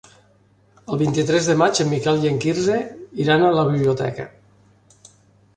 El vint-i-tres de maig en Miquel i en Quirze iran a la biblioteca.